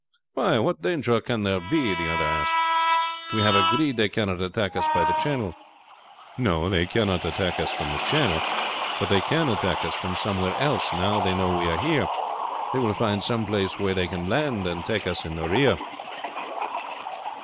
"Why, what danger can there be?" the others asked. "We have agreed they cannot attack us by the channel." "No, they cannot attack us from the channel, but they can attack us from somewhere else now they know we are here. They will find some place where they can land and take us in rear."